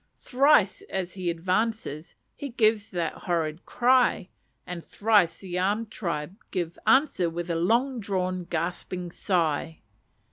Thrice, as he advances, he gives that horrid cry; and thrice the armed tribe give answer with a long drawn gasping sigh.